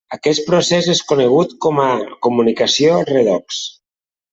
Aquest procés és conegut com a comunicació redox.